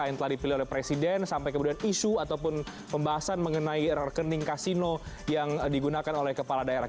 yang telah dipilih oleh presiden sampai kemudian isu ataupun pembahasan mengenai rekening kasino yang digunakan oleh kepala daerah